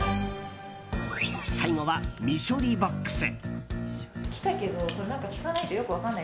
最後は、未処理ボックス。